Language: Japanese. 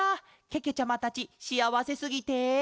けけちゃまたちしあわせすぎて。